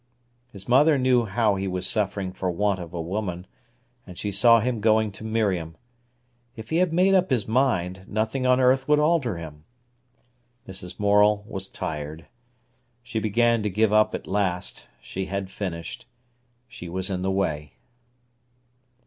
His mother knew how he was suffering for want of a woman, and she saw him going to Miriam. If he had made up his mind, nothing on earth would alter him. Mrs. Morel was tired. She began to give up at last; she had finished. She was in the way.